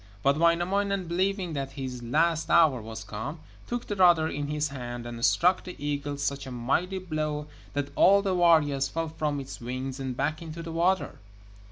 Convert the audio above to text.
But Wainamoinen, believing that his last hour was come, took the rudder in his hand and struck the eagle such a mighty blow that all the warriors fell from its wings and back into the water.